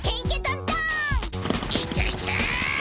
いけいけ！